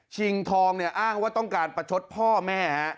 ทองเนี่ยอ้างว่าต้องการประชดพ่อแม่